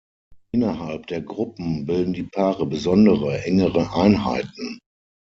Innerhalb der Gruppen bilden die Paare besondere, engere Einheiten.